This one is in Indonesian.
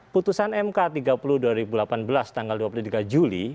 putusan mk tiga puluh dua ribu delapan belas tanggal dua puluh tiga juli